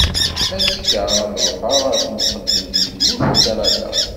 Azekka ara d-ruḥeɣ ɣer temqeddemt n tmurt n Kanada.